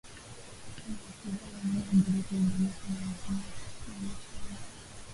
na waki kava eneo dogo kulinganisha na Wamasai